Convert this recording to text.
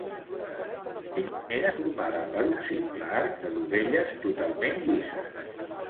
La primera és formada per un simple arc de dovelles totalment llises.